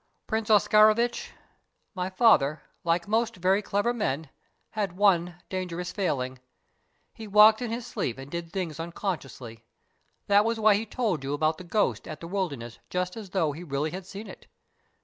Prince Oscarovitch, my father, like most very clever men, had one dangerous failing. He walked in his sleep and did things unconsciously. That was why he told you about the ghost at 'The Wilderness' just as though he really had seen it.